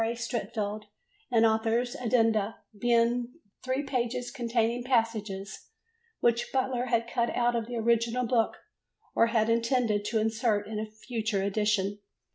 A. Streatfeild and author's addenda, being three pages containing passages which Butler had cut out of the original book or had intended to insert in a future edition.